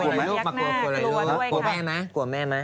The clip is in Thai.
กลัวแม่ไหม